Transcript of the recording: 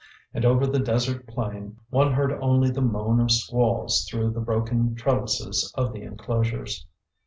And over the desert plain one heard only the moan of squalls through the broken trellises of the enclosures.